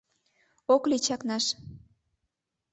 Ок лий чакнаш.